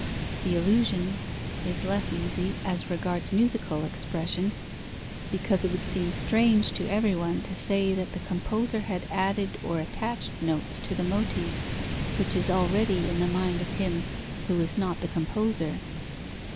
The illusion is less easy as regards musical expression; because it would seem strange to everyone to say that the composer had added or attached notes to the motive, which is already in the mind of him who is not the composer.